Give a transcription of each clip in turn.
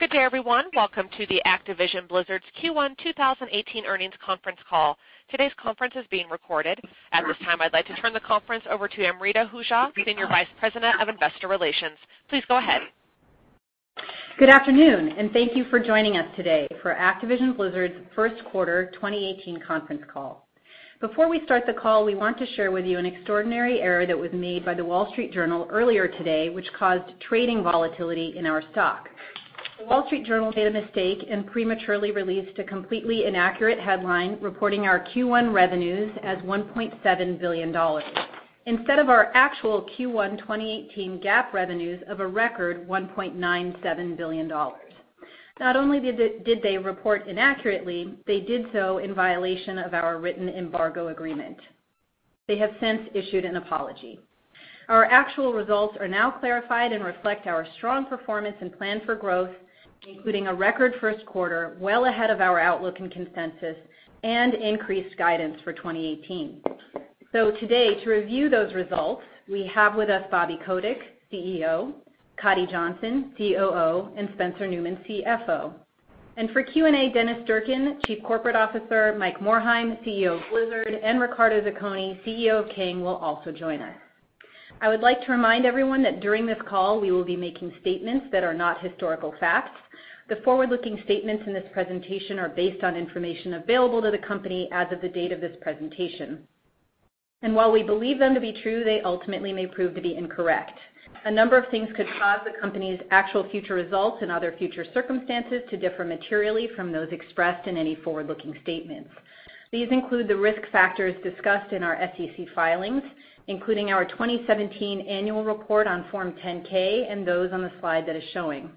Good day, everyone. Welcome to Activision Blizzard's Q1 2018 earnings conference call. Today's conference is being recorded. At this time, I'd like to turn the conference over to Amrita Ahuja, Senior Vice President of Investor Relations. Please go ahead. Good afternoon. Thank you for joining us today for Activision Blizzard's first quarter 2018 conference call. Before we start the call, we want to share with you an extraordinary error that was made by The Wall Street Journal earlier today, which caused trading volatility in our stock. The Wall Street Journal made a mistake and prematurely released a completely inaccurate headline reporting our Q1 revenues as $1.7 billion instead of our actual Q1 2018 GAAP revenues of a record $1.97 billion. Not only did they report inaccurately, they did so in violation of our written embargo agreement. They have since issued an apology. Our actual results are now clarified and reflect our strong performance and plan for growth, including a record first quarter, well ahead of our outlook and consensus, and increased guidance for 2018. Today, to review those results, we have with us Bobby Kotick, CEO, Coddy Johnson, COO, and Spencer Neumann, CFO. For Q&A, Dennis Durkin, Chief Corporate Officer, Mike Morhaime, CEO of Blizzard, and Riccardo Zacconi, CEO of King, will also join us. I would like to remind everyone that during this call, we will be making statements that are not historical facts. The forward-looking statements in this presentation are based on information available to the company as of the date of this presentation. While we believe them to be true, they ultimately may prove to be incorrect. A number of things could cause the company's actual future results and other future circumstances to differ materially from those expressed in any forward-looking statements. These include the risk factors discussed in our SEC filings, including our 2017 annual report on Form 10-K and those on the slide that is showing.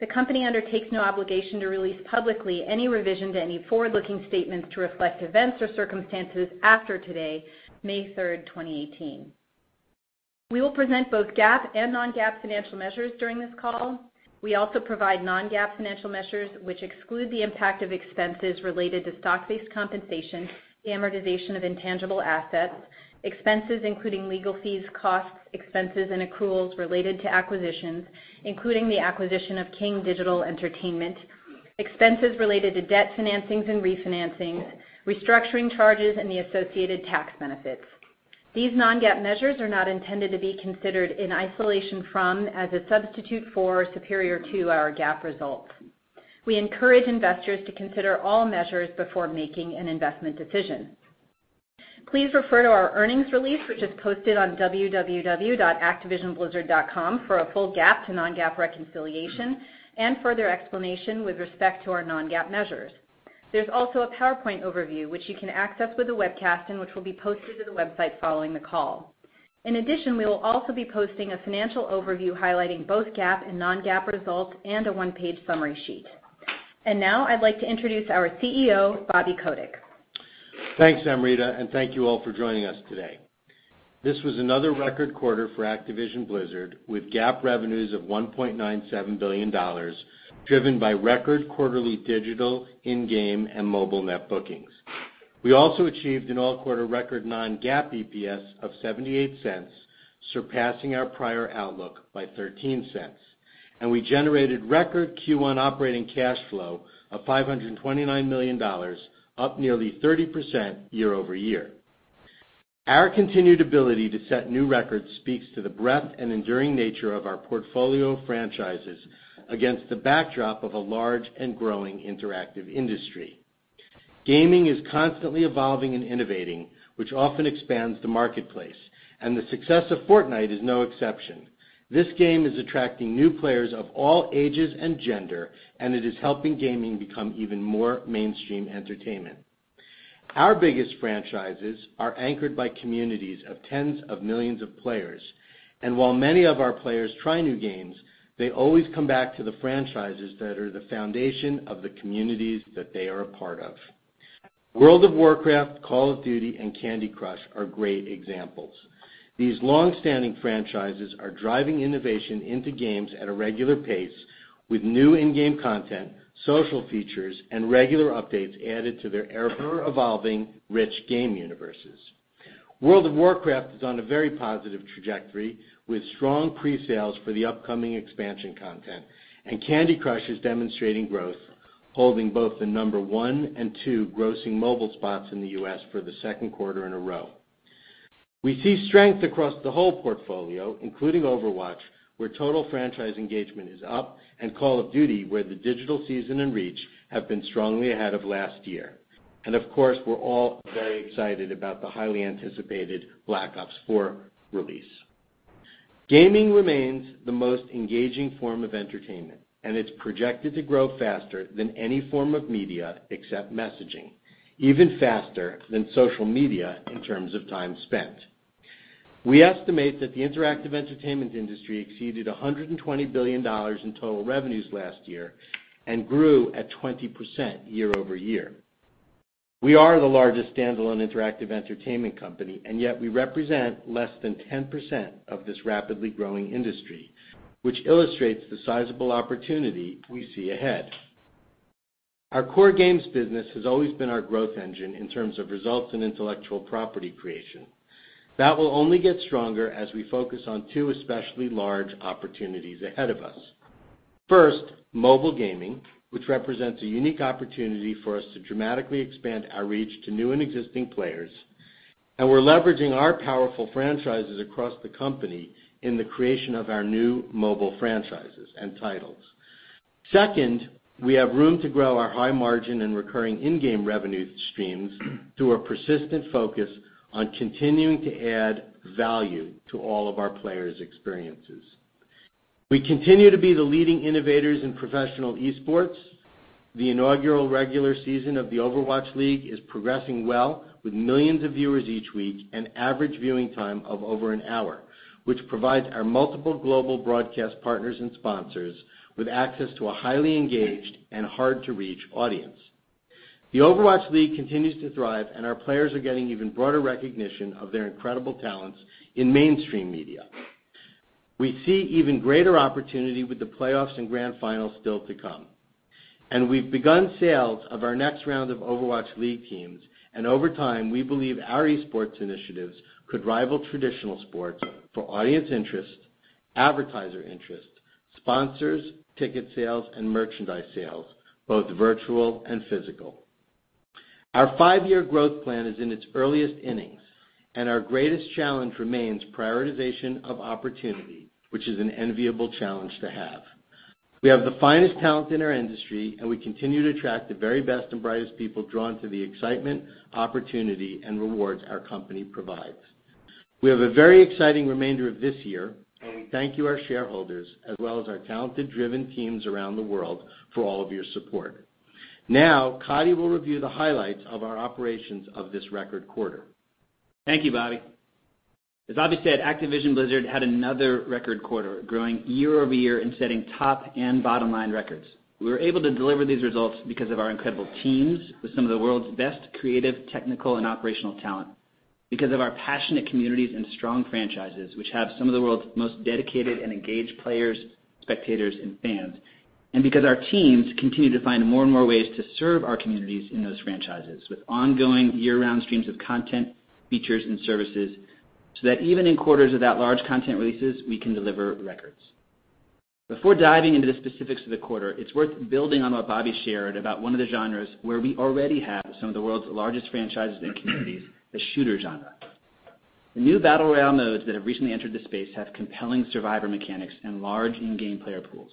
The company undertakes no obligation to release publicly any revision to any forward-looking statements to reflect events or circumstances after today, May 3rd, 2018. We will present both GAAP and non-GAAP financial measures during this call. We also provide non-GAAP financial measures, which exclude the impact of expenses related to stock-based compensation, the amortization of intangible assets, expenses including legal fees, costs, expenses, and accruals related to acquisitions, including the acquisition of King Digital Entertainment, expenses related to debt financings and refinancings, restructuring charges, and the associated tax benefits. These non-GAAP measures are not intended to be considered in isolation from, as a substitute for, or superior to our GAAP results. We encourage investors to consider all measures before making an investment decision. Please refer to our earnings release, which is posted on www.activisionblizzard.com for a full GAAP to non-GAAP reconciliation and further explanation with respect to our non-GAAP measures. There's also a PowerPoint overview, which you can access with the webcast and which will be posted to the website following the call. In addition, we will also be posting a financial overview highlighting both GAAP and non-GAAP results and a one-page summary sheet. Now I'd like to introduce our CEO, Bobby Kotick. Thanks, Amrita, and thank you all for joining us today. This was another record quarter for Activision Blizzard, with GAAP revenues of $1.97 billion, driven by record quarterly digital, in-game, and mobile net bookings. We also achieved an all-quarter record non-GAAP EPS of $0.78, surpassing our prior outlook by $0.13. We generated record Q1 operating cash flow of $529 million, up nearly 30% year-over-year. Our continued ability to set new records speaks to the breadth and enduring nature of our portfolio franchises against the backdrop of a large and growing interactive industry. Gaming is constantly evolving and innovating, which often expands the marketplace, and the success of Fortnite is no exception. This game is attracting new players of all ages and gender, and it is helping gaming become even more mainstream entertainment. Our biggest franchises are anchored by communities of tens of millions of players, and while many of our players try new games, they always come back to the franchises that are the foundation of the communities that they are a part of. World of Warcraft, Call of Duty, and Candy Crush are great examples. These longstanding franchises are driving innovation into games at a regular pace with new in-game content, social features, and regular updates added to their ever-evolving rich game universes. World of Warcraft is on a very positive trajectory with strong pre-sales for the upcoming expansion content, and Candy Crush is demonstrating growth, holding both the number one and two grossing mobile spots in the U.S. for the second quarter in a row. We see strength across the whole portfolio, including Overwatch, where total franchise engagement is up, and Call of Duty, where the digital season and reach have been strongly ahead of last year. Of course, we're all very excited about the highly anticipated Black Ops 4 release. Gaming remains the most engaging form of entertainment, and it's projected to grow faster than any form of media except messaging, even faster than social media in terms of time spent. We estimate that the interactive entertainment industry exceeded $120 billion in total revenues last year and grew at 20% year-over-year. We are the largest standalone interactive entertainment company, and yet we represent less than 10% of this rapidly growing industry, which illustrates the sizable opportunity we see ahead. Our core games business has always been our growth engine in terms of results and intellectual property creation. That will only get stronger as we focus on two especially large opportunities ahead of us. First, mobile gaming, which represents a unique opportunity for us to dramatically expand our reach to new and existing players, and we're leveraging our powerful franchises across the company in the creation of our new mobile franchises and titles. Second, we have room to grow our high margin and recurring in-game revenue streams through a persistent focus on continuing to add value to all of our players' experiences. We continue to be the leading innovators in professional esports. The inaugural regular season of the Overwatch League is progressing well with millions of viewers each week, and average viewing time of over an hour, which provides our multiple global broadcast partners and sponsors with access to a highly engaged and hard-to-reach audience. The Overwatch League continues to thrive, and our players are getting even broader recognition of their incredible talents in mainstream media. We see even greater opportunity with the playoffs and grand finals still to come. We've begun sales of our next round of Overwatch League teams, and over time, we believe our esports initiatives could rival traditional sports for audience interest, advertiser interest, sponsors, ticket sales, and merchandise sales, both virtual and physical. Our five-year growth plan is in its earliest innings, and our greatest challenge remains prioritization of opportunity, which is an enviable challenge to have. We have the finest talent in our industry, and we continue to attract the very best and brightest people drawn to the excitement, opportunity, and rewards our company provides. We have a very exciting remainder of this year, and we thank you, our shareholders, as well as our talented driven teams around the world for all of your support. Now, Coddy will review the highlights of our operations of this record quarter. Thank you, Bobby. As Bobby said, Activision Blizzard had another record quarter, growing year-over-year and setting top and bottom line records. We were able to deliver these results because of our incredible teams with some of the world's best creative, technical, and operational talent. Because of our passionate communities and strong franchises, which have some of the world's most dedicated and engaged players, spectators, and fans. Because our teams continue to find more and more ways to serve our communities in those franchises with ongoing year-round streams of content, features, and services, so that even in quarters without large content releases, we can deliver records. Before diving into the specifics of the quarter, it's worth building on what Bobby shared about one of the genres where we already have some of the world's largest franchises and communities, the shooter genre. The new Battle Royale modes that have recently entered the space have compelling survivor mechanics and large in-game player pools.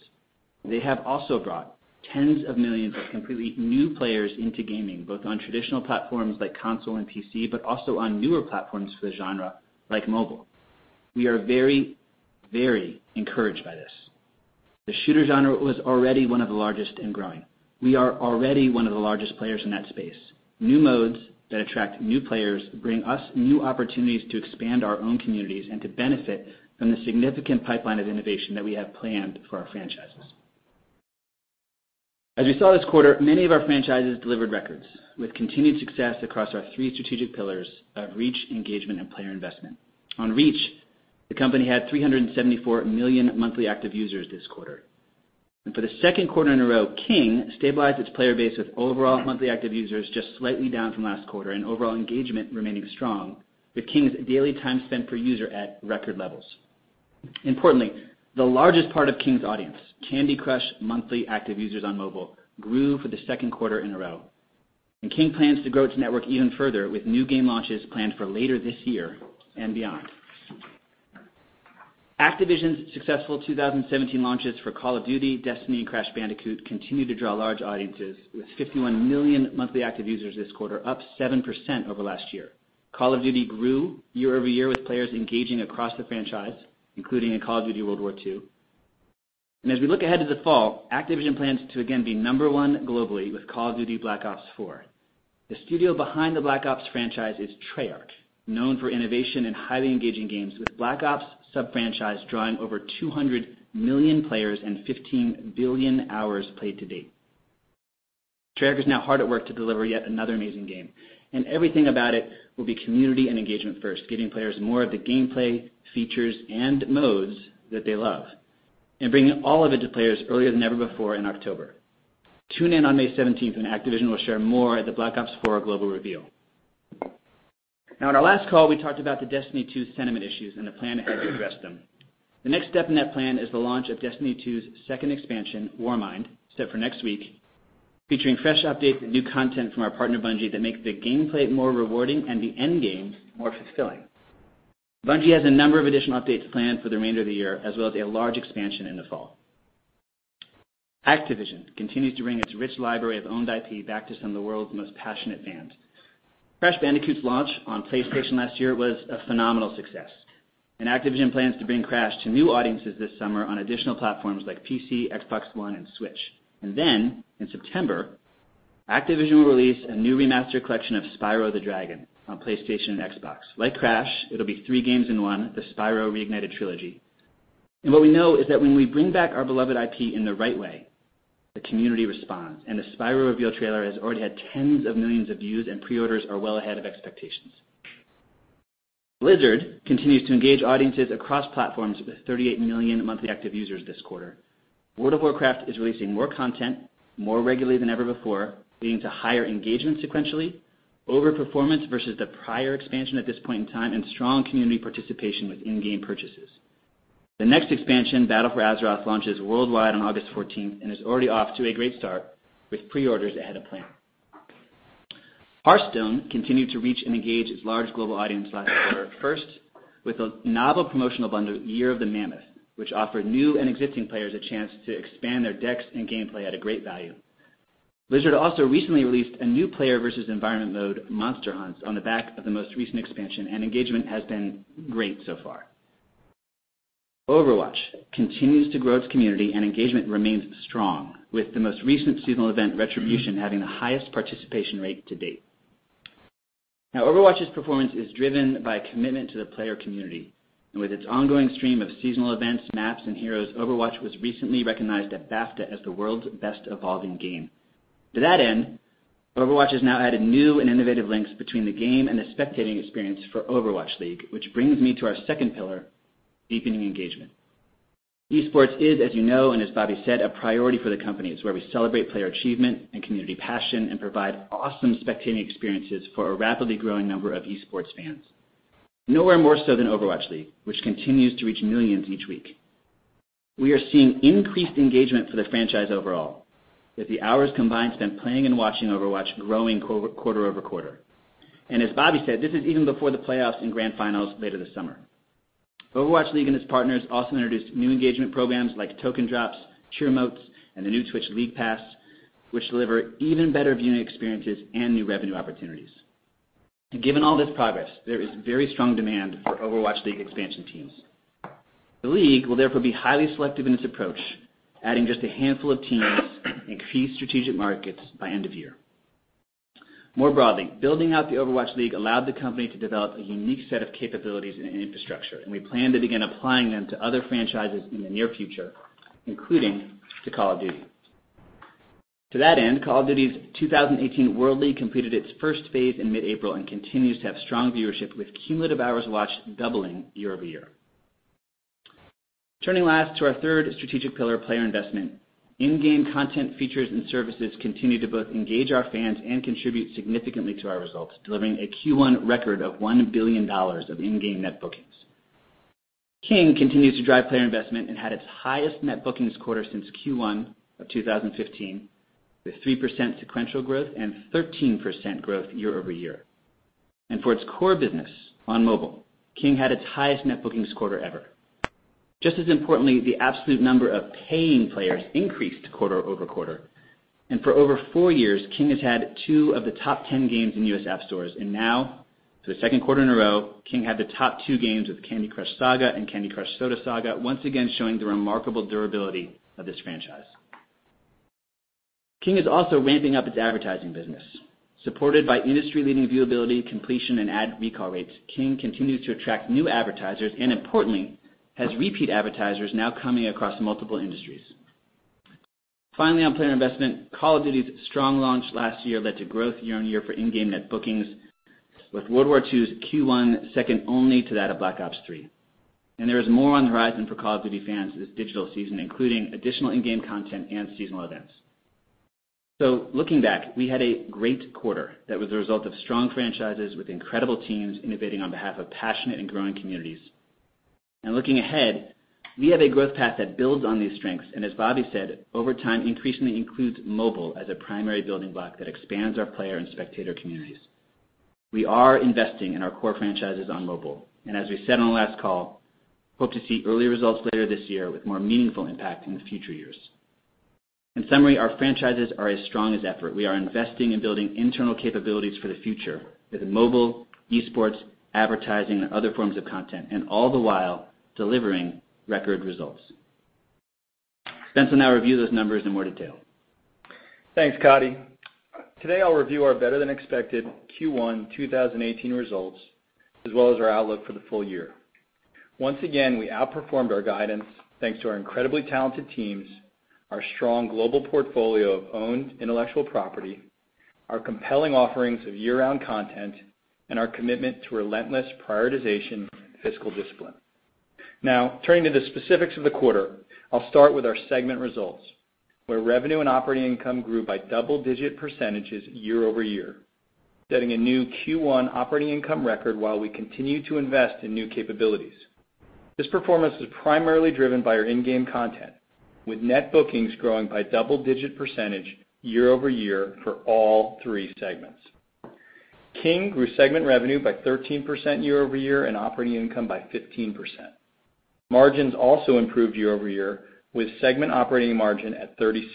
They have also brought tens of millions of completely new players into gaming, both on traditional platforms like console and PC, but also on newer platforms for the genre, like mobile. We are very, very encouraged by this. The shooter genre was already one of the largest, and growing. We are already one of the largest players in that space. New modes that attract new players bring us new opportunities to expand our own communities and to benefit from the significant pipeline of innovation that we have planned for our franchises. As we saw this quarter, many of our franchises delivered records, with continued success across our three strategic pillars of reach, engagement, and player investment. On reach, the company had 374 million monthly active users this quarter. For the second quarter in a row, King stabilized its player base with overall monthly active users just slightly down from last quarter and overall engagement remaining strong, with King's daily time spent per user at record levels. Importantly, the largest part of King's audience, Candy Crush monthly active users on mobile, grew for the second quarter in a row. King plans to grow its network even further with new game launches planned for later this year and beyond. Activision's successful 2017 launches for Call of Duty, Destiny, and Crash Bandicoot continue to draw large audiences with 51 million monthly active users this quarter, up 7% over last year. Call of Duty grew year-over-year with players engaging across the franchise, including in Call of Duty: World War II. As we look ahead to the fall, Activision plans to again be number one globally with Call of Duty: Black Ops 4. The studio behind the Black Ops franchise is Treyarch, known for innovation and highly engaging games with Black Ops sub-franchise drawing over 200 million players and 15 billion hours played to date. Treyarch is now hard at work to deliver yet another amazing game. Everything about it will be community and engagement first, giving players more of the gameplay, features, and modes that they love, and bringing all of it to players earlier than ever before in October. Tune in on May 17th, and Activision will share more at the Black Ops 4 Global Reveal. At our last call, we talked about the Destiny 2 sentiment issues and the plan to address them. The next step in that plan is the launch of Destiny 2's second expansion, Warmind, set for next week, featuring fresh updates and new content from our partner Bungie that make the gameplay more rewarding and the end games more fulfilling. Bungie has a number of additional updates planned for the remainder of the year as well as a large expansion in the fall. Activision continues to bring its rich library of owned IP back to some of the world's most passionate fans. Crash Bandicoot's launch on PlayStation last year was a phenomenal success, and Activision plans to bring Crash to new audiences this summer on additional platforms like PC, Xbox One, and Switch. Then in September, Activision will release a new remastered collection of Spyro the Dragon on PlayStation and Xbox. Like Crash, it'll be three games in one, the Spyro Reignited Trilogy. What we know is that when we bring back our beloved IP in the right way, the community responds, the Spyro reveal trailer has already had tens of millions of views and pre-orders are well ahead of expectations. Blizzard continues to engage audiences across platforms with 38 million monthly active users this quarter. World of Warcraft is releasing more content more regularly than ever before, leading to higher engagement sequentially, over performance versus the prior expansion at this point in time, and strong community participation with in-game purchases. The next expansion, Battle for Azeroth, launches worldwide on August 14th and is already off to a great start with pre-orders ahead of plan. Hearthstone continued to reach and engage its large global audience last quarter, first with a novel promotional bundle, Year of the Mammoth, which offered new and existing players a chance to expand their decks and gameplay at a great value. Blizzard also recently released a new player versus environment mode, Monster Hunt, on the back of the most recent expansion, engagement has been great so far. Overwatch continues to grow its community, and engagement remains strong with the most recent seasonal event, Retribution, having the highest participation rate to date. Overwatch's performance is driven by commitment to the player community and with its ongoing stream of seasonal events, maps, and heroes, Overwatch was recently recognized at BAFTA as the world's best evolving game. To that end, Overwatch has now added new and innovative links between the game and the spectating experience for Overwatch League, which brings me to our second pillar, deepening engagement. Esports is, as you know, and as Bobby said, a priority for the company. It's where we celebrate player achievement and community passion and provide awesome spectating experiences for a rapidly growing number of esports fans. Nowhere more so than Overwatch League, which continues to reach millions each week. We are seeing increased engagement for the franchise overall with the hours combined spent playing and watching Overwatch growing quarter-over-quarter. As Bobby said, this is even before the playoffs and grand finals later this summer. Overwatch League and its partners also introduced new engagement programs like token drops, Cheermotes, and the new Twitch League Pass, which deliver even better viewing experiences and new revenue opportunities. Given all this progress, there is very strong demand for Overwatch League expansion teams. The league will therefore be highly selective in its approach, adding just a handful of teams in key strategic markets by end of year. More broadly, building out the Overwatch League allowed the company to develop a unique set of capabilities and infrastructure, and we plan to begin applying them to other franchises in the near future, including to Call of Duty. To that end, Call of Duty's 2018 World League competed its first phase in mid-April and continues to have strong viewership with cumulative hours watched doubling year-over-year. Turning last to our third strategic pillar, player investment. In-game content features and services continue to both engage our fans and contribute significantly to our results, delivering a Q1 record of $1 billion of in-game net bookings. King continues to drive player investment, had its highest net bookings quarter since Q1 2015, with 3% sequential growth and 13% growth year-over-year. For its core business on mobile, King had its highest net bookings quarter ever. Just as importantly, the absolute number of paying players increased quarter-over-quarter. For over four years, King has had two of the top 10 games in U.S. App Stores. Now, for the second quarter in a row, King had the top two games with Candy Crush Saga and Candy Crush Soda Saga, once again showing the remarkable durability of this franchise. King is also ramping up its advertising business. Supported by industry-leading viewability, completion, and ad recall rates, King continues to attract new advertisers and, importantly, has repeat advertisers now coming across multiple industries. Finally, on player investment, Call of Duty's strong launch last year led to growth year-on-year for in-game net bookings with Call of Duty: WWII's Q1 second only to that of Call of Duty: Black Ops III. There is more on the horizon for Call of Duty fans this digital season, including additional in-game content and seasonal events. Looking back, we had a great quarter that was a result of strong franchises with incredible teams innovating on behalf of passionate and growing communities. Looking ahead, we have a growth path that builds on these strengths, and as Bobby said, over time, increasingly includes mobile as a primary building block that expands our player and spectator communities. We are investing in our core franchises on mobile, and as we said on the last call, hope to see early results later this year with more meaningful impact in the future years. In summary, our franchises are as strong as ever. We are investing in building internal capabilities for the future with mobile, esports, advertising, and other forms of content, and all the while, delivering record results. Spencer will now review those numbers in more detail. Thanks, Coddy. Today, I'll review our better-than-expected Q1 2018 results as well as our outlook for the full year. Once again, we outperformed our guidance thanks to our incredibly talented teams, our strong global portfolio of owned intellectual property, our compelling offerings of year-round content, and our commitment to relentless prioritization and fiscal discipline. Now turning to the specifics of the quarter, I'll start with our segment results, where revenue and operating income grew by double-digit percentages year-over-year, setting a new Q1 operating income record while we continue to invest in new capabilities. This performance was primarily driven by our in-game content, with net bookings growing by double-digit percentage year-over-year for all three segments. King grew segment revenue by 13% year-over-year and operating income by 15%. Margins also improved year-over-year with segment operating margin at 36%.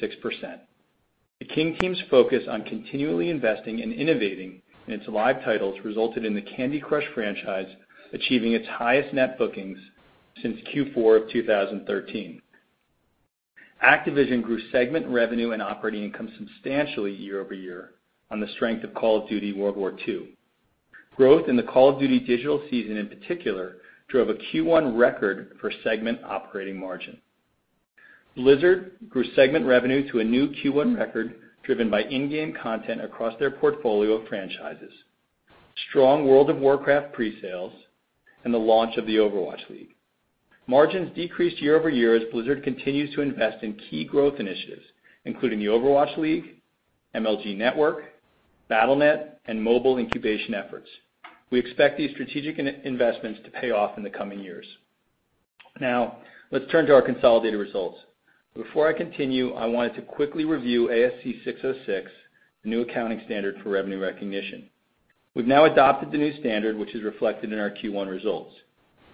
The King team's focus on continually investing and innovating in its live titles resulted in the Candy Crush franchise achieving its highest net bookings since Q4 of 2013. Activision grew segment revenue and operating income substantially year-over-year on the strength of Call of Duty: WWII. Growth in the Call of Duty digital season in particular drove a Q1 record for segment operating margin. Blizzard grew segment revenue to a new Q1 record driven by in-game content across their portfolio of franchises, strong World of Warcraft pre-sales, and the launch of the Overwatch League. Margins decreased year-over-year as Blizzard continues to invest in key growth initiatives, including the Overwatch League, MLG Network, Battle.net, and mobile incubation efforts. We expect these strategic investments to pay off in the coming years. Let's turn to our consolidated results. Before I continue, I wanted to quickly review ASC 606, the new accounting standard for revenue recognition. We've now adopted the new standard, which is reflected in our Q1 results.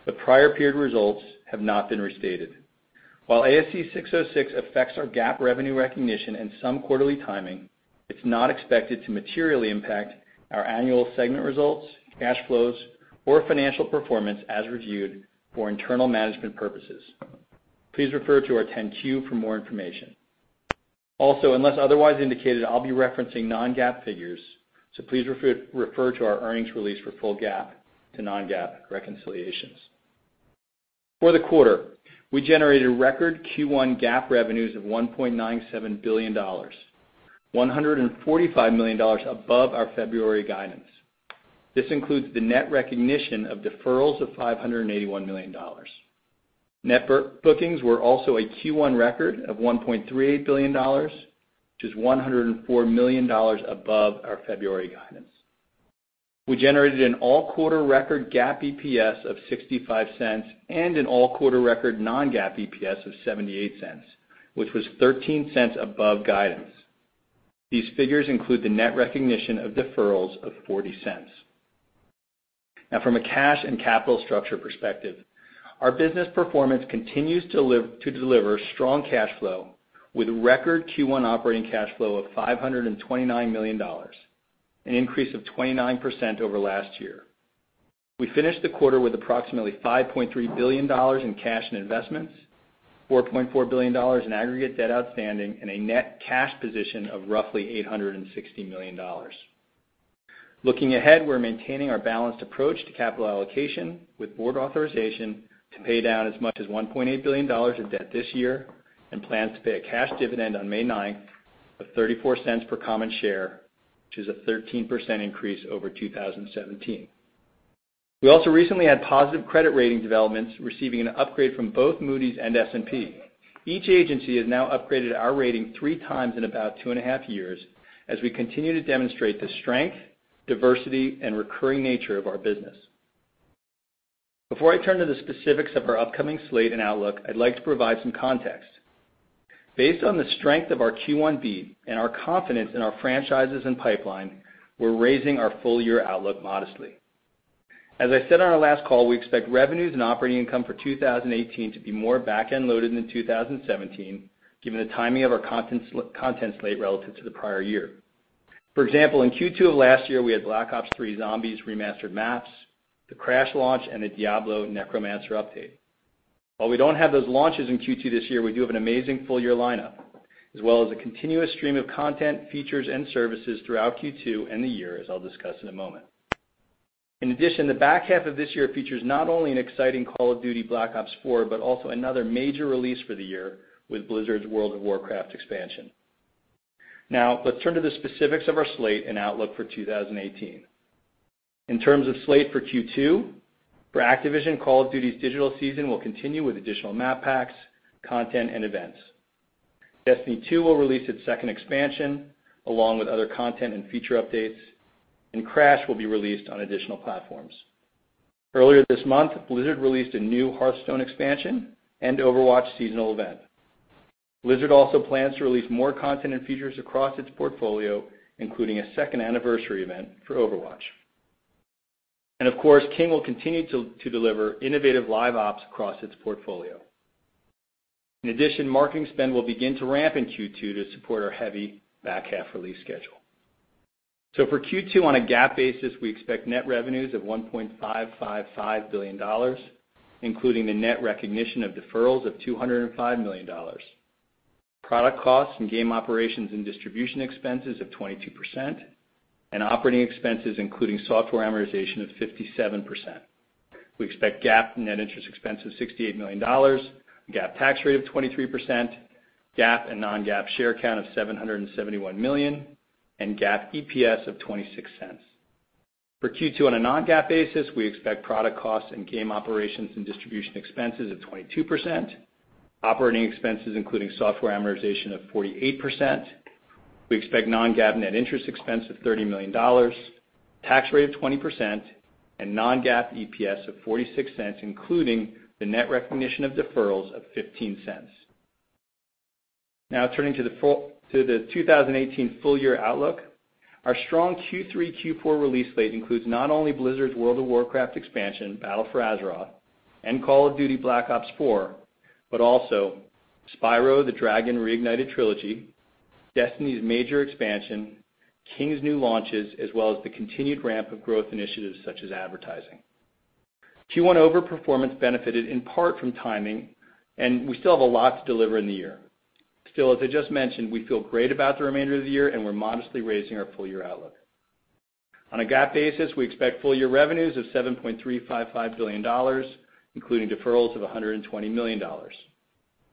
The prior period results have not been restated. While ASC 606 affects our GAAP revenue recognition and some quarterly timing, it's not expected to materially impact our annual segment results, cash flows, or financial performance as reviewed for internal management purposes. Please refer to our 10-Q for more information. Unless otherwise indicated, I'll be referencing non-GAAP figures, so please refer to our earnings release for full GAAP to non-GAAP reconciliations. For the quarter, we generated record Q1 GAAP revenues of $1.97 billion, $145 million above our February guidance. This includes the net recognition of deferrals of $581 million. Net bookings were also a Q1 record of $1.38 billion, which is $104 million above our February guidance. We generated an all-quarter record GAAP EPS of $0.65 and an all-quarter record non-GAAP EPS of $0.78, which was $0.13 above guidance. These figures include the net recognition of deferrals of $0.40. From a cash and capital structure perspective, our business performance continues to deliver strong cash flow with record Q1 operating cash flow of $529 million, an increase of 29% over last year. We finished the quarter with approximately $5.3 billion in cash and investments, $4.4 billion in aggregate debt outstanding, and a net cash position of roughly $860 million. Looking ahead, we're maintaining our balanced approach to capital allocation with board authorization to pay down as much as $1.8 billion of debt this year and plans to pay a cash dividend on May 9th of $0.34 per common share, which is a 13% increase over 2017. We also recently had positive credit rating developments, receiving an upgrade from both Moody's and S&P. Each agency has now upgraded our rating three times in about two and a half years as we continue to demonstrate the strength, diversity, and recurring nature of our business. Before I turn to the specifics of our upcoming slate and outlook, I'd like to provide some context. Based on the strength of our Q1 beat and our confidence in our franchises and pipeline, we're raising our full-year outlook modestly. As I said on our last call, we expect revenues and operating income for 2018 to be more back-end loaded than 2017, given the timing of our content slate relative to the prior year. For example, in Q2 of last year, we had Black Ops III Zombies remastered maps, the Crash launch, and the Diablo Necromancer update. While we don't have those launches in Q2 this year, we do have an amazing full-year lineup as well as a continuous stream of content, features, and services throughout Q2 and the year, as I'll discuss in a moment. In addition, the back half of this year features not only an exciting Call of Duty: Black Ops 4, but also another major release for the year with Blizzard's World of Warcraft expansion. Let's turn to the specifics of our slate and outlook for 2018. In terms of slate for Q2, for Activision, Call of Duty's digital season will continue with additional map packs, content, and events. Destiny 2 will release its second expansion along with other content and feature updates, and Crash will be released on additional platforms. Earlier this month, Blizzard released a new Hearthstone expansion and Overwatch seasonal event. Blizzard also plans to release more content and features across its portfolio, including a second anniversary event for Overwatch. Of course, King will continue to deliver innovative live ops across its portfolio. In addition, marketing spend will begin to ramp in Q2 to support our heavy back-half release schedule. For Q2, on a GAAP basis, we expect net revenues of $1.555 billion, including the net recognition of deferrals of $205 million, product costs and game operations and distribution expenses of 22%, and operating expenses, including software amortization, of 57%. We expect GAAP net interest expense of $68 million, GAAP tax rate of 23%, GAAP and non-GAAP share count of 771 million, and GAAP EPS of $0.26. For Q2 on a non-GAAP basis, we expect product costs and game operations and distribution expenses of 22%, operating expenses, including software amortization, of 48%. We expect non-GAAP net interest expense of $30 million, tax rate of 20%, and non-GAAP EPS of $0.46, including the net recognition of deferrals of $0.15. Turning to the 2018 full-year outlook. Our strong Q3/Q4 release slate includes not only Blizzard's World of Warcraft expansion, Battle for Azeroth, and Call of Duty: Black Ops 4, but also Spyro the Dragon: Reignited Trilogy, Destiny's major expansion, King's new launches, as well as the continued ramp of growth initiatives such as advertising. Q1 overperformance benefited in part from timing, and we still have a lot to deliver in the year. As I just mentioned, we feel great about the remainder of the year, and we're modestly raising our full-year outlook. On a GAAP basis, we expect full year revenues of $7.355 billion, including deferrals of $120 million.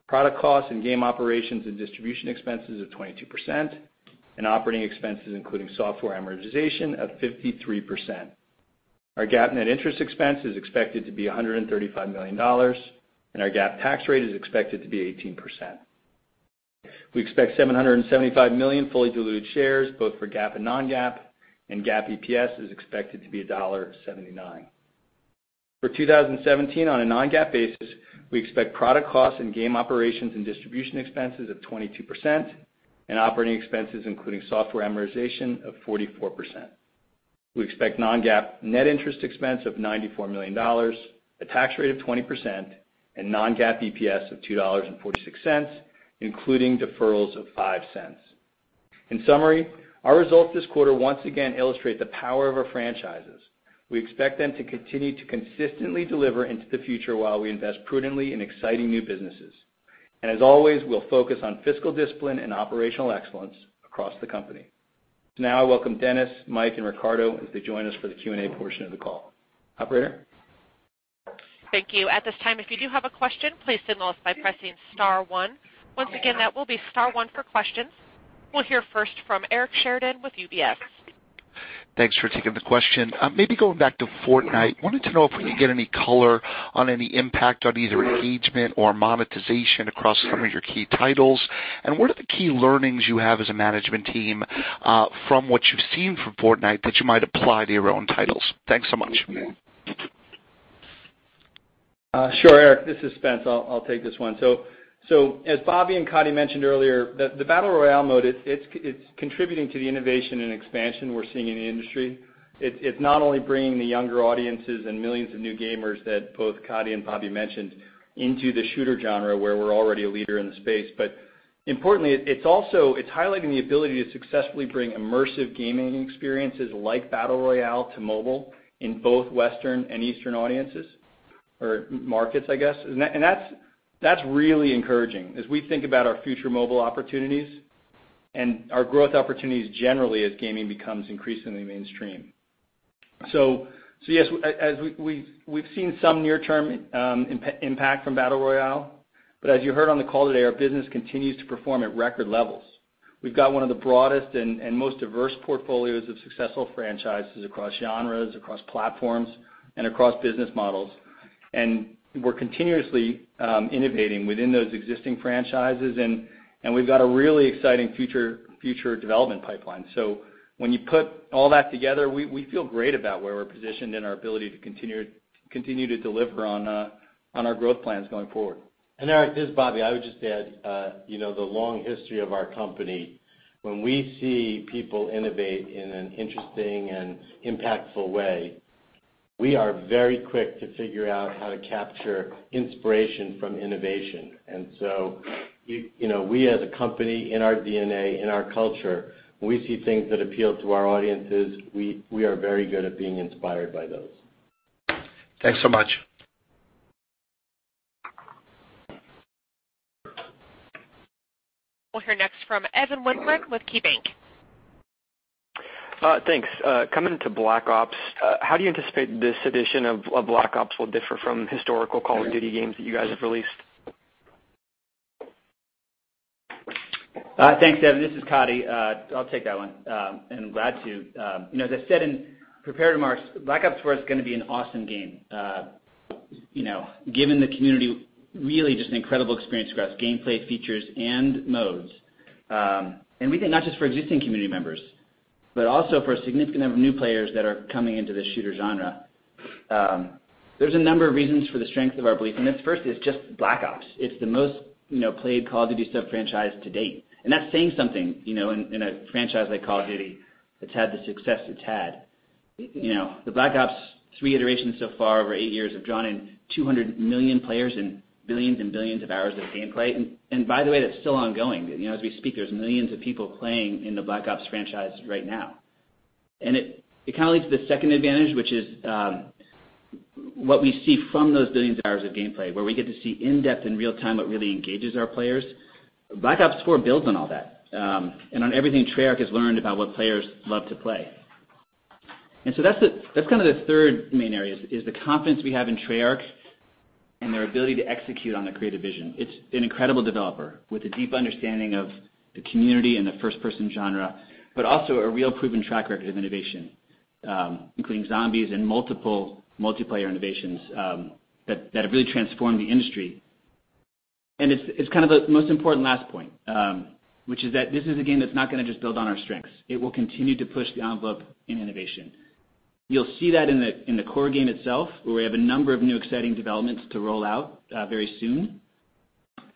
Product costs and game operations and distribution expenses of 22%, and operating expenses, including software amortization of 53%. Our GAAP net interest expense is expected to be $135 million, and our GAAP tax rate is expected to be 18%. We expect 775 million fully diluted shares, both for GAAP and non-GAAP, and GAAP EPS is expected to be $1.79. For 2017, on a non-GAAP basis, we expect product costs and game operations and distribution expenses of 22%, and operating expenses, including software amortization of 44%. We expect non-GAAP net interest expense of $94 million, a tax rate of 20%, and non-GAAP EPS of $2.46, including deferrals of $0.05. In summary, our results this quarter once again illustrate the power of our franchises. We expect them to continue to consistently deliver into the future while we invest prudently in exciting new businesses. As always, we'll focus on fiscal discipline and operational excellence across the company. Now I welcome Dennis, Mike, and Riccardo as they join us for the Q&A portion of the call. Operator? Thank you. At this time, if you do have a question, please signal us by pressing star one. Once again, that will be star one for questions. We'll hear first from Eric Sheridan with UBS. Thanks for taking the question. Maybe going back to Fortnite, wanted to know if we could get any color on any impact on either engagement or monetization across some of your key titles. What are the key learnings you have as a management team from what you've seen from Fortnite that you might apply to your own titles? Thanks so much. Sure, Eric. This is Spence. I'll take this one. As Bobby and Coddy mentioned earlier, the Battle Royale mode, it's contributing to the innovation and expansion we're seeing in the industry. It's not only bringing the younger audiences and millions of new gamers that both Coddy and Bobby mentioned into the shooter genre, where we're already a leader in the space. Importantly, it's highlighting the ability to successfully bring immersive gaming experiences like Battle Royale to mobile in both Western and Eastern audiences or markets, I guess. That's really encouraging as we think about our future mobile opportunities and our growth opportunities generally as gaming becomes increasingly mainstream. Yes, as we've seen some near-term impact from Battle Royale, as you heard on the call today, our business continues to perform at record levels. We've got one of the broadest and most diverse portfolios of successful franchises across genres, across platforms, and across business models. We're continuously innovating within those existing franchises, and we've got a really exciting future development pipeline. When you put all that together, we feel great about where we're positioned and our ability to continue to deliver on our growth plans going forward. Eric, this is Bobby. I would just add, the long history of our company, when we see people innovate in an interesting and impactful way, we are very quick to figure out how to capture inspiration from innovation. We as a company, in our DNA, in our culture, when we see things that appeal to our audiences, we are very good at being inspired by those. Thanks so much. We'll hear next from Evan Wingren with KeyBanc. Thanks. Coming to Black Ops, how do you anticipate this edition of Black Ops will differ from historical Call of Duty games that you guys have released? Thanks, Evan. This is Coddy. I'll take that one. Glad to. As I said in prepared remarks, Black Ops 4 is going to be an awesome game giving the community really just an incredible experience across gameplay features and modes. We think not just for existing community members, but also for a significant number of new players that are coming into the shooter genre. There's a number of reasons for the strength of our belief in this. First is just Black Ops. It's the most played Call of Duty sub-franchise to date. That's saying something, in a franchise like Call of Duty that's had the success it's had. The Black Ops three iterations so far over eight years have drawn in 200 million players and billions and billions of hours of gameplay. By the way, that's still ongoing. As we speak, there's millions of people playing in the Black Ops franchise right now. It leads to the second advantage, which is what we see from those billions of hours of gameplay, where we get to see in depth, in real time, what really engages our players. Black Ops 4 builds on all that, and on everything Treyarch has learned about what players love to play. That's kind of the third main area is the confidence we have in Treyarch and their ability to execute on their creative vision. It's an incredible developer with a deep understanding of the community and the first-person genre, but also a real proven track record of innovation, including Zombies and multiple multiplayer innovations that have really transformed the industry. It's kind of the most important last point, which is that this is a game that's not going to just build on our strengths. It will continue to push the envelope in innovation. You'll see that in the core game itself, where we have a number of new exciting developments to roll out very soon.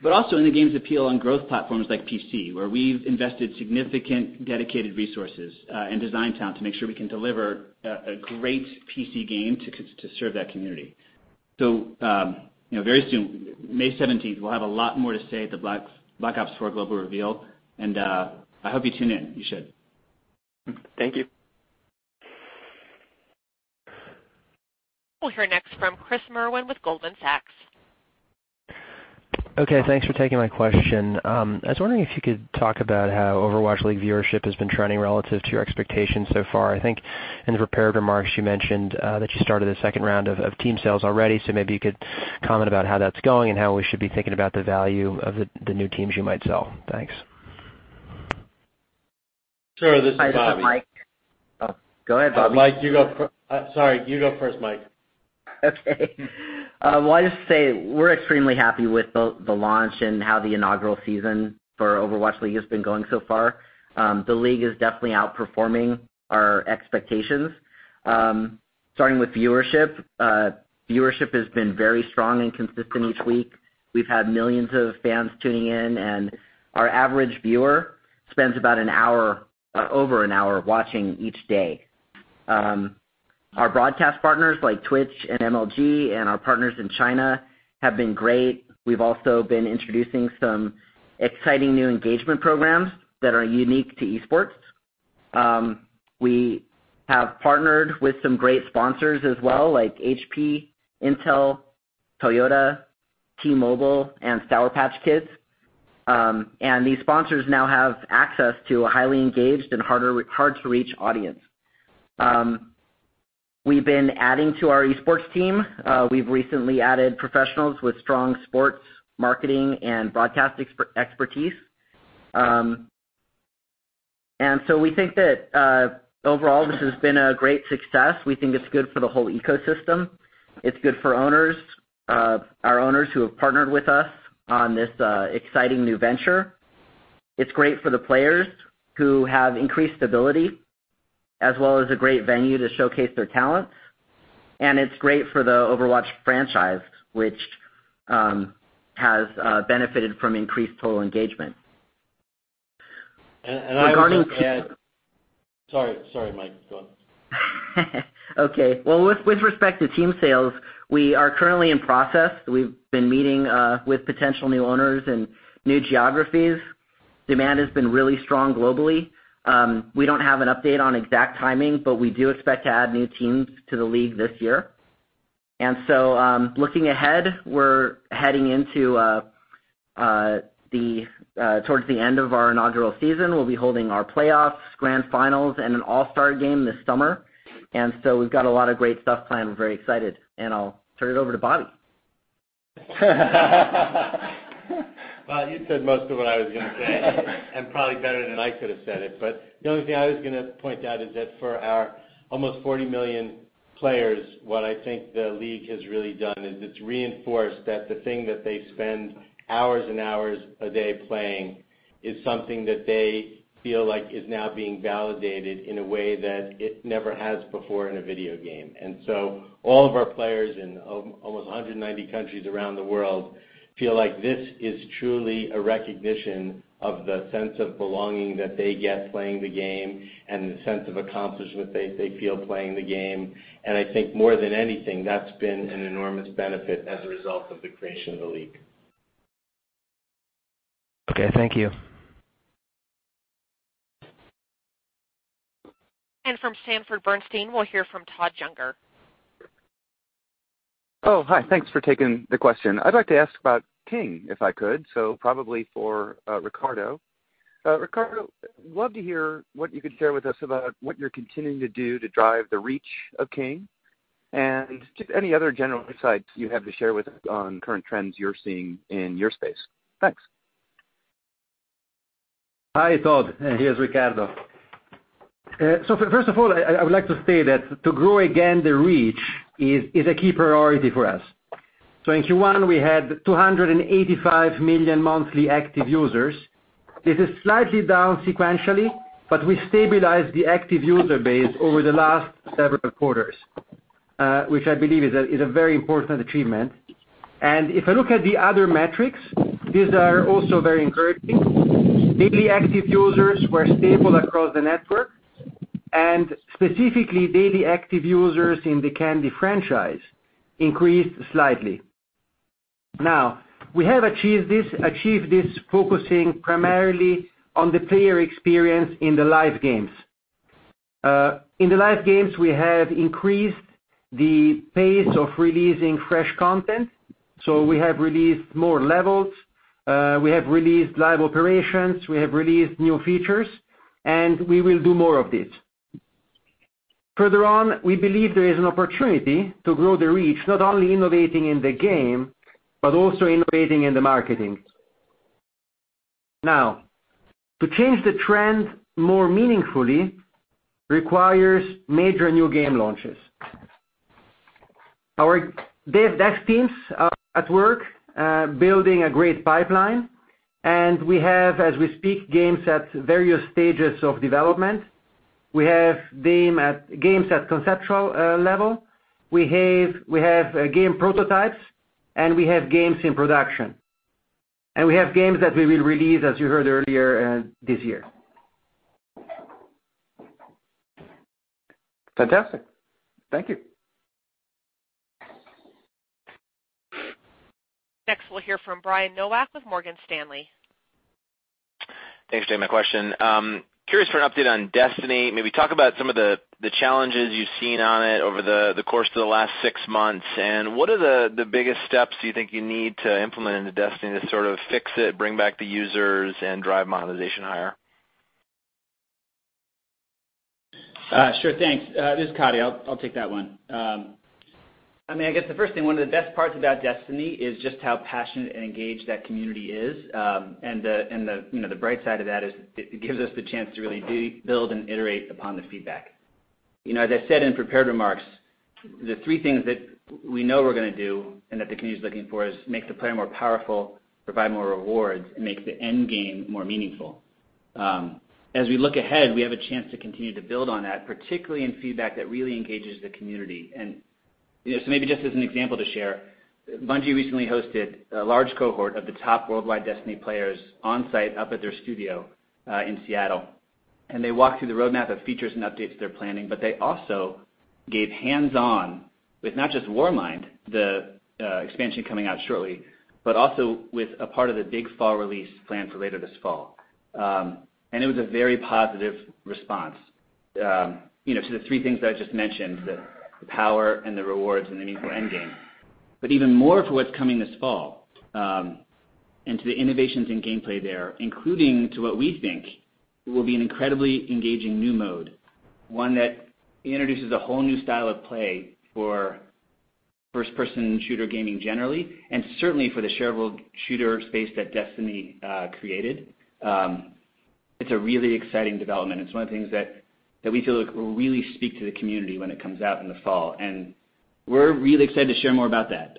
But also in the game's appeal on growth platforms like PC, where we've invested significant dedicated resources and design talent to make sure we can deliver a great PC game to serve that community. Very soon, May 17th, we'll have a lot more to say at the Black Ops 4 global reveal. I hope you tune in. You should. Thank you. We'll hear next from Christopher Merwin with Goldman Sachs. Okay, thanks for taking my question. I was wondering if you could talk about how Overwatch League viewership has been trending relative to your expectations so far. I think in the prepared remarks, you mentioned that you started a second round of team sales already, so maybe you could comment about how that's going and how we should be thinking about the value of the new teams you might sell. Thanks. Sure. This is Bobby. Hi, this is Mike. Go ahead, Bobby. Sorry. You go first, Mike. Okay. Well, I'd just say we're extremely happy with the launch and how the inaugural season for Overwatch League has been going so far. The league is definitely outperforming our expectations. Starting with viewership has been very strong and consistent each week. We've had millions of fans tuning in, and our average viewer spends about over an hour watching each day. Our broadcast partners like Twitch and Major League Gaming and our partners in China have been great. We've also been introducing some exciting new engagement programs that are unique to esports. We have partnered with some great sponsors as well, like HP, Intel, Toyota, T-Mobile, and Sour Patch Kids. These sponsors now have access to a highly engaged and hard-to-reach audience. We've been adding to our esports team. We've recently added professionals with strong sports marketing and broadcast expertise. We think that, overall, this has been a great success. We think it's good for the whole ecosystem. It's good for our owners who have partnered with us on this exciting new venture. It's great for the players who have increased stability, as well as a great venue to showcase their talents. It's great for the Overwatch franchise, which has benefited from increased total engagement. I would just add. Regarding future. Sorry, Mike. Go on. Okay. Well, with respect to team sales, we are currently in process. We've been meeting with potential new owners in new geographies. Demand has been really strong globally. We don't have an update on exact timing, but we do expect to add new teams to the league this year. Looking ahead, we're heading towards the end of our inaugural season. We'll be holding our playoffs, grand finals, and an all-star game this summer. We've got a lot of great stuff planned. We're very excited. I'll turn it over to Bobby. Well, you said most of what I was going to say, and probably better than I could have said it. The only thing I was going to point out is that for our almost 40 million players, what I think the league has really done is it's reinforced that the thing that they spend hours and hours a day playing is something that they feel like is now being validated in a way that it never has before in a video game. All of our players in almost 190 countries around the world feel like this is truly a recognition of the sense of belonging that they get playing the game and the sense of accomplishment they feel playing the game. I think more than anything, that's been an enormous benefit as a result of the creation of the league. Okay. Thank you. From Sanford C. Bernstein, we'll hear from Todd Juenger. Hi. Thanks for taking the question. I'd like to ask about King, if I could. Probably for Riccardo. Riccardo, love to hear what you could share with us about what you're continuing to do to drive the reach of King, and just any other general insights you have to share with us on current trends you're seeing in your space. Thanks. Hi, Todd. Here's Riccardo. First of all, I would like to say that to grow again the reach is a key priority for us. In Q1, we had $285 million monthly active users. This is slightly down sequentially, but we stabilized the active user base over the last several quarters, which I believe is a very important achievement. If I look at the other metrics, these are also very encouraging. Daily active users were stable across the network, and specifically daily active users in the Candy franchise increased slightly. We have achieved this focusing primarily on the player experience in the live games. In the live games, we have increased the pace of releasing fresh content. We have released more levels. We have released live operations. We have released new features, and we will do more of this. Further on, we believe there is an opportunity to grow the reach, not only innovating in the game, but also innovating in the marketing. To change the trend more meaningfully requires major new game launches. Our dev teams are at work building a great pipeline, and we have, as we speak, games at various stages of development. We have games at conceptual level, we have game prototypes, and we have games in production. We have games that we will release, as you heard earlier, this year. Fantastic. Thank you. Next, we'll hear from Brian Nowak with Morgan Stanley. Thanks for taking my question. Curious for an update on Destiny. Maybe talk about some of the challenges you've seen on it over the course of the last six months, what are the biggest steps you think you need to implement into Destiny to sort of fix it, bring back the users, and drive monetization higher? Sure. Thanks. This is Coddy. I'll take that one. I guess the first thing, one of the best parts about Destiny is just how passionate and engaged that community is. The bright side of that is it gives us the chance to really build and iterate upon the feedback. As I said in prepared remarks, the three things that we know we're going to do and that the community's looking for is make the player more powerful, provide more rewards, and make the end game more meaningful. As we look ahead, we have a chance to continue to build on that, particularly in feedback that really engages the community. So maybe just as an example to share, Bungie recently hosted a large cohort of the top worldwide Destiny players on-site up at their studio in Seattle, they walked through the roadmap of features and updates they're planning, they also gave hands-on with not just Warmind, the expansion coming out shortly, but also with a part of the big fall release planned for later this fall. It was a very positive response to the three things that I just mentioned, the power and the rewards and the meaningful end game. Even more to what's coming this fall, and to the innovations in gameplay there, including to what we think will be an incredibly engaging new mode, one that introduces a whole new style of play for first-person shooter gaming generally, and certainly for the shareable shooter space that Destiny created. It's a really exciting development. It's one of the things that we feel like will really speak to the community when it comes out in the fall, and we're really excited to share more about that.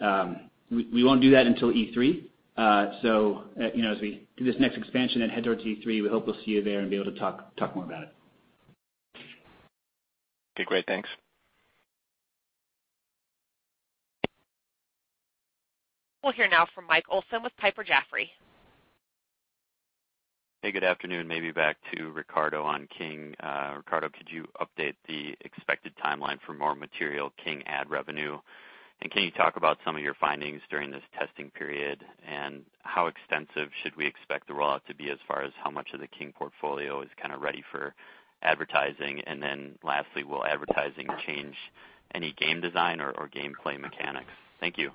We won't do that until E3. As we do this next expansion and head towards E3, we hope we'll see you there and be able to talk more about it. Okay, great. Thanks. We'll hear now from Mike Olson with Piper Jaffray. Hey, good afternoon. Maybe back to Riccardo on King. Riccardo, could you update the expected timeline for more material King ad revenue? Can you talk about some of your findings during this testing period, and how extensive should we expect the rollout to be as far as how much of the King portfolio is kind of ready for advertising? Lastly, will advertising change any game design or gameplay mechanics? Thank you.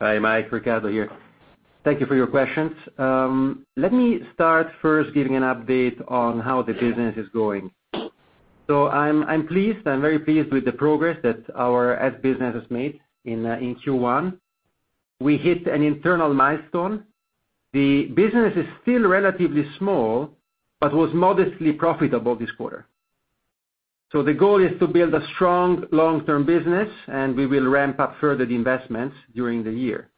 Hi, Mike. Riccardo here. Thank you for your questions. Let me start first giving an update on how the business is going. I'm very pleased with the progress that our ads business has made in Q1. We hit an internal milestone. The business is still relatively small, but was modestly profitable this quarter. The goal is to build a strong long-term business, and we will ramp up further the investments during the year.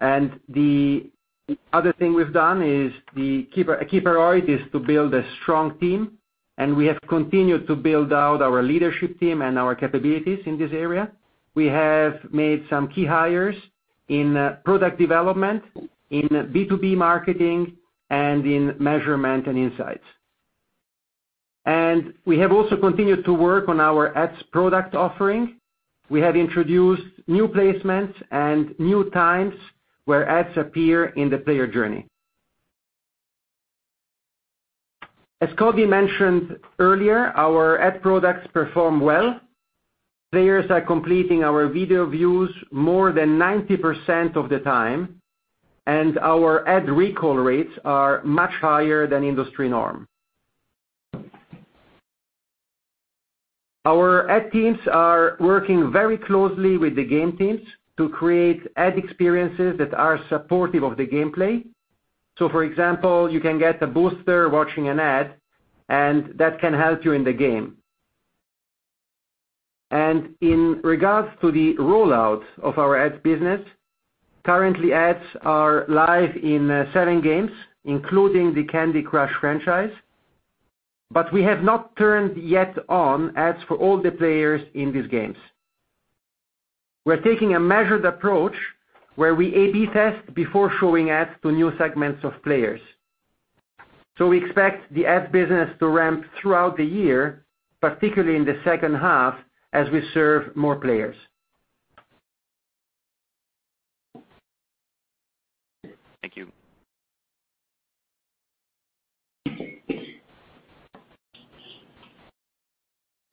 The other thing we've done is the key priority is to build a strong team, and we have continued to build out our leadership team and our capabilities in this area. We have made some key hires in product development, in B2B marketing, and in measurement and insights. We have also continued to work on our ads product offering. We have introduced new placements and new times where ads appear in the player journey. As Coddy mentioned earlier, our ad products perform well. Players are completing our video views more than 90% of the time, and our ad recall rates are much higher than industry norm. Our ad teams are working very closely with the game teams to create ad experiences that are supportive of the gameplay. For example, you can get a booster watching an ad, and that can help you in the game. In regards to the rollout of our ads business, currently ads are live in 7 games, including the Candy Crush franchise. We have not turned yet on ads for all the players in these games. We're taking a measured approach where we A/B test before showing ads to new segments of players. We expect the ad business to ramp throughout the year, particularly in the second half as we serve more players. Thank you.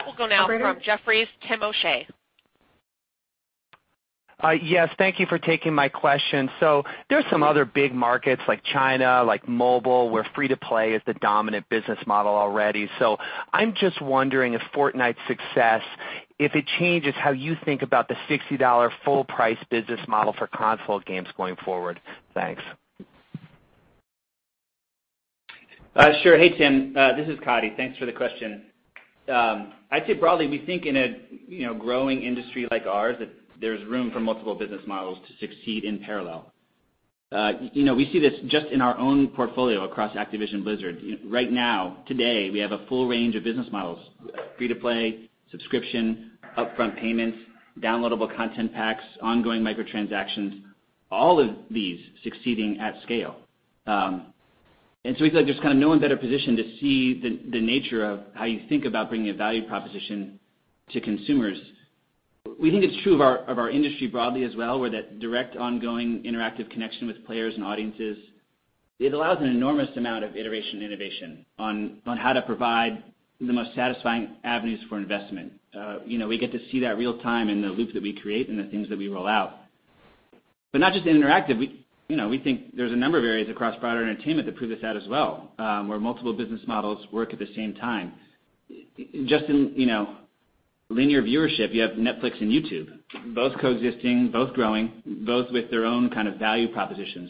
We'll go now from Jefferies, Timothy O'Shea. Yes, thank you for taking my question. There's some other big markets like China, like mobile, where free-to-play is the dominant business model already. I'm just wondering if Fortnite's success, if it changes how you think about the $60 full price business model for console games going forward. Thanks. Sure. Hey, Tim. This is Coddy. Thanks for the question. I'd say broadly, we think in a growing industry like ours, that there's room for multiple business models to succeed in parallel. We see this just in our own portfolio across Activision Blizzard. Right now, today, we have a full range of business models, free-to-play, subscription, upfront payments, downloadable content packs, ongoing microtransactions, all of these succeeding at scale. We feel like there's kind of no one better positioned to see the nature of how you think about bringing a value proposition to consumers. We think it's true of our industry broadly as well, where that direct ongoing interactive connection with players and audiences, it allows an enormous amount of iteration and innovation on how to provide the most satisfying avenues for investment. We get to see that real time in the loop that we create and the things that we roll out. Not just in interactive, we think there's a number of areas across broader entertainment that prove this out as well, where multiple business models work at the same time. Just in linear viewership, you have Netflix and YouTube, both coexisting, both growing, both with their own kind of value propositions.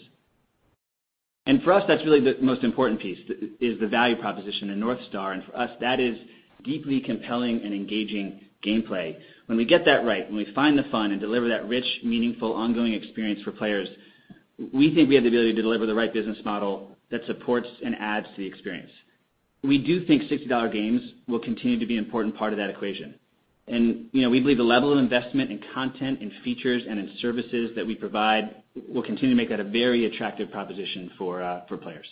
For us, that's really the most important piece, is the value proposition and North star. For us, that is deeply compelling and engaging gameplay. When we get that right, when we find the fun and deliver that rich, meaningful, ongoing experience for players, we think we have the ability to deliver the right business model that supports and adds to the experience. We do think $60 games will continue to be an important part of that equation. We believe the level of investment in content, in features, and in services that we provide will continue to make that a very attractive proposition for players.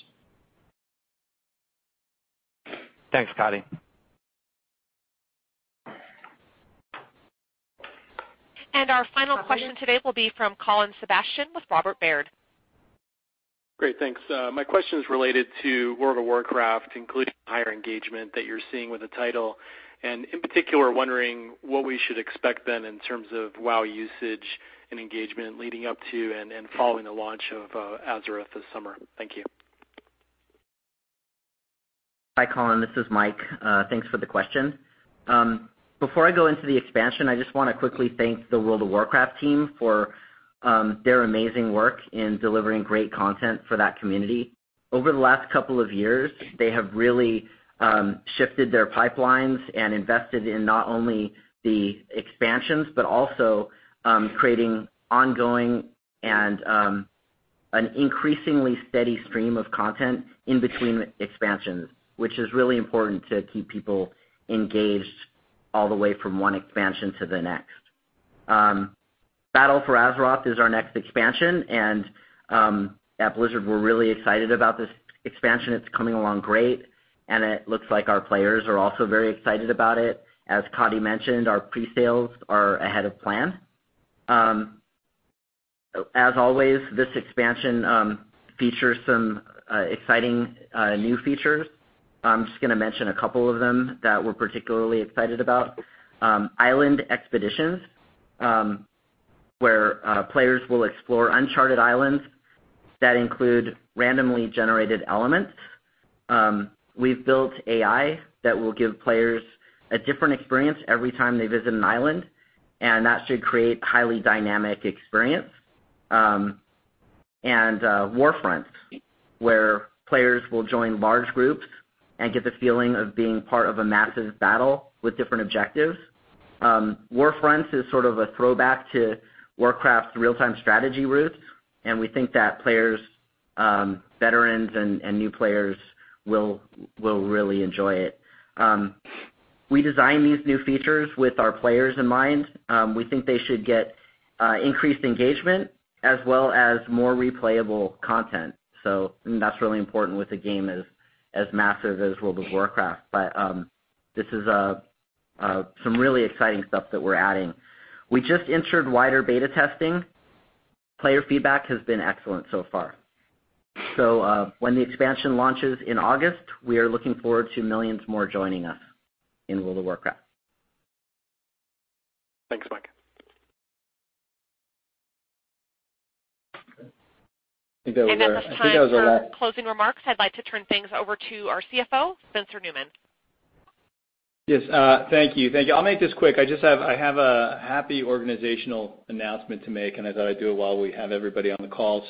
Thanks, Coddy. Our final question today will be from Colin Sebastian with Robert Baird. Great. Thanks. My question is related to World of Warcraft, including higher engagement that you're seeing with the title, and in particular, wondering what we should expect then in terms of WOW usage and engagement leading up to and following the launch of Azeroth this summer. Thank you. Hi, Colin. This is Mike. Thanks for the question. Before I go into the expansion, I just want to quickly thank the World of Warcraft team for their amazing work in delivering great content for that community. Over the last couple of years, they have really shifted their pipelines and invested in not only the expansions, but also creating ongoing and an increasingly steady stream of content in between expansions, which is really important to keep people engaged all the way from one expansion to the next. Battle for Azeroth is our next expansion. At Blizzard, we're really excited about this expansion. It's coming along great, and it looks like our players are also very excited about it. As Coddy mentioned, our pre-sales are ahead of plan. As always, this expansion features some exciting new features. I'm just going to mention a couple of them that we're particularly excited about. Island Expeditions, where players will explore uncharted islands that include randomly generated elements. We've built AI that will give players a different experience every time they visit an island, and that should create a highly dynamic experience. Warfronts, where players will join large groups and get the feeling of being part of a massive battle with different objectives. Warfronts is sort of a throwback to Warcraft's real-time strategy roots, and we think that players, veterans and new players, will really enjoy it. We design these new features with our players in mind. We think they should get increased engagement as well as more replayable content. That's really important with a game as massive as World of Warcraft. This is some really exciting stuff that we're adding. We just entered wider beta testing. Player feedback has been excellent so far. When the expansion launches in August, we are looking forward to millions more joining us in World of Warcraft. Thanks, Mike. I think that was our last. For time for closing remarks, I'd like to turn things over to our CFO, Spencer Neumann. Yes. Thank you. I'll make this quick. I just have a happy organizational announcement to make, and I thought I'd do it while we have everybody on the call.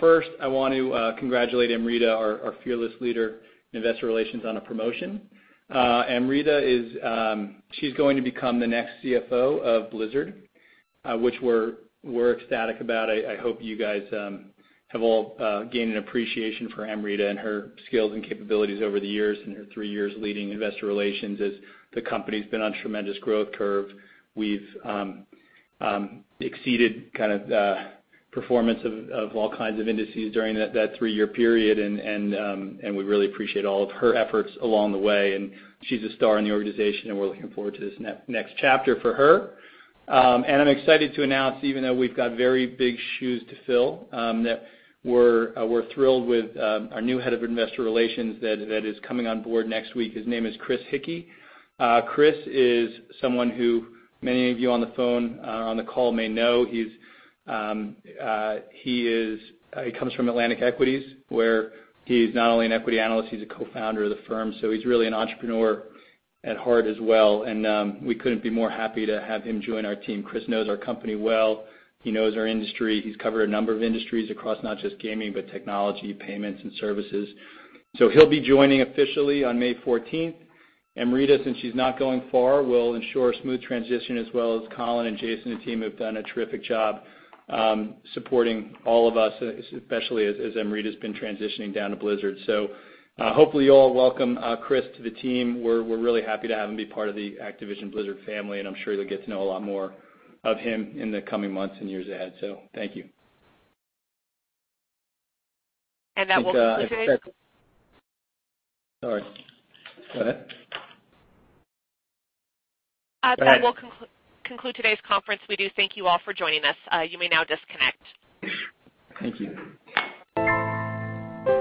First I want to congratulate Amrita, our fearless leader in investor relations, on a promotion. Amrita is going to become the next CFO of Blizzard, which we're ecstatic about. I hope you guys have all gained an appreciation for Amrita and her skills and capabilities over the years, in her three years leading investor relations as the company's been on a tremendous growth curve. We've exceeded kind of the performance of all kinds of indices during that three-year period, and we really appreciate all of her efforts along the way. She's a star in the organization, and we're looking forward to this next chapter for her. I'm excited to announce, even though we've got very big shoes to fill, that we're thrilled with our new head of investor relations that is coming on board next week. His name is Chris Hickey. Chris is someone who many of you on the phone or on the call may know. He comes from Atlantic Equities, where he's not only an equity analyst, he's a co-founder of the firm, so he's really an entrepreneur at heart as well. We couldn't be more happy to have him join our team. Chris knows our company well. He knows our industry. He's covered a number of industries across not just gaming, but technology, payments, and services. He'll be joining officially on May 14th. Hopefully you all welcome Chris to the team. We're really happy to have him be part of the Activision Blizzard family, and I'm sure you'll get to know a lot more of him in the coming months and years ahead. Thank you. That will conclude today's- Sorry. Go ahead. That will conclude today's conference. We do thank you all for joining us. You may now disconnect. Thank you.